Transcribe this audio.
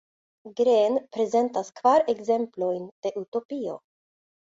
Green prezentas kvar ekzemplojn de utopio.